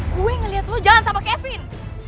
gue ngeliat lo jalan sama kevin